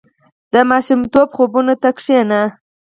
• د ماشومتوب خوبونو ته کښېنه.